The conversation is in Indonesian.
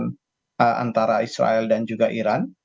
dan antara israel dan juga iran